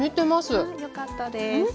あよかったです。